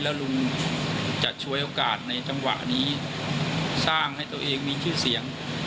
แล้วลุงจะช่วยโอกาสในจังหวะนี้สร้างให้ตัวเองมีชื่อเสียง